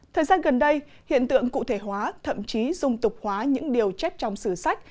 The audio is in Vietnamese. thời gian gần đây hiện tượng cụ thể hóa thậm chí dung tục hóa những điều chết trong sử sách